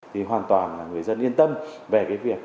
thì hoàn toàn là người dân yên tâm về cái việc